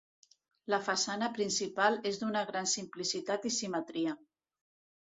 La façana principal és d'una gran simplicitat i simetria.